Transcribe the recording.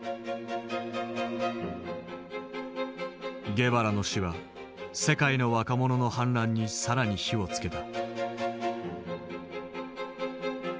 ゲバラの死は世界の若者の反乱に更に火をつけた。